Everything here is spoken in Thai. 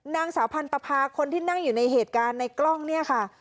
นางสาวพันธภาคนที่นั่งอยู่ในเหตุการณ์ในกล้องเนี่ยค่ะ